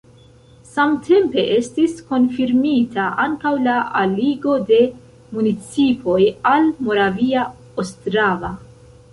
Samtempe estis konfirmita ankaŭ la aligo de municipoj al Moravia Ostrava.